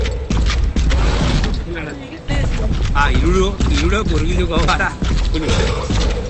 Hirurok hurbilduko gara unibertsitatera kotxez gaur arratsaldean.